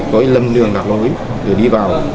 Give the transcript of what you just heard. có lầm đường đặt lối để đi vào